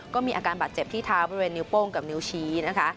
ก็มีอาการบาดเจ็บที่เท้าบริเวณนิ้วโป้งกับนิ้วชี้นะคะ